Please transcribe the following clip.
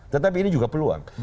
tetapi ini juga peluang